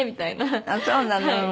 そうなの。